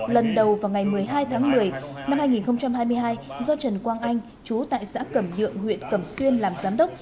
lần đầu vào ngày một mươi hai tháng một mươi năm hai nghìn hai mươi hai do trần quang anh chú tại xã cẩm nhượng huyện cẩm xuyên làm giám đốc